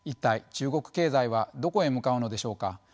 中国経済はどこへ向かうのでしょうか。